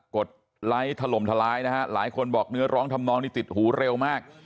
ดไลค์ถล่มทลายนะฮะหลายคนบอกเนื้อร้องทำนองนี่ติดหูเร็วมาก